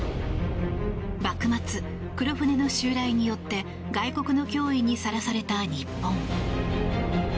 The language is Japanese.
幕末、黒船の襲来によって外国の脅威にさらされた日本。